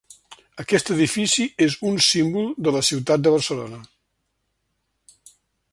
Aquest edifici és un símbol de la ciutat de Barcelona.